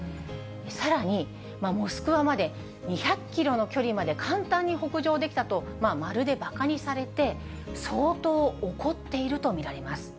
さらに、モスクワまで２００キロの距離まで簡単に北上できたと、まるでばかにされて、相当怒っていると見られます。